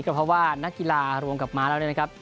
ก็เพราะว่าหน้ากีฬาร่วมกับม๊า